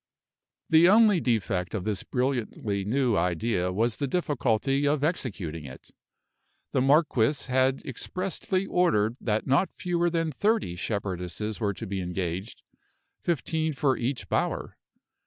The only defect of this brilliantly new idea was the difficulty of executing it. The marquis had expressly ordered that not fewer than thirty shepherdesses were to be engaged fifteen for each bower.